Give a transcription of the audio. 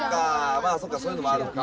まあそういうのもあるのか。